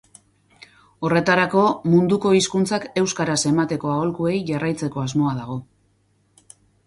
Horretarako, munduko hizkuntzak euskaraz emateko aholkuei jarraitzeko asmoa dago.